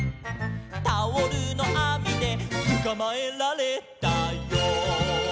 「タオルのあみでつかまえられたよ」